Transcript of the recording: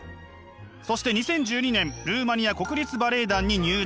そして２０１２年ルーマニア国立バレエ団に入団。